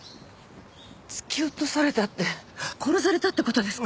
突き落とされたって殺されたってことですか？